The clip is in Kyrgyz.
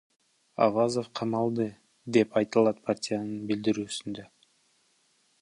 Авазов камалды, — деп айтылат партиянын билдирүүсүндө.